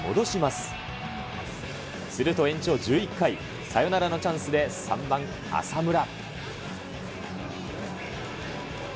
すると延長１１回、サヨナラのチャンスで３番浅村。